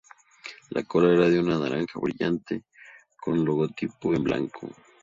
La cola era de un naranja brillante con el logotipo en blanco.